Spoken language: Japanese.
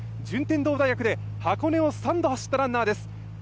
順天堂大学で箱根を３度走ったランナーです。